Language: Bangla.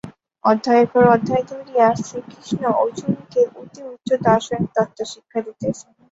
অধ্যায়ের পর অধ্যায় ধরিয়া শ্রীকৃষ্ণ অর্জুনকে অতি উচ্চ দার্শনিক তত্ত্ব শিক্ষা দিতেছেন।